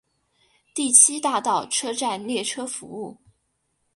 第七大道车站列车服务。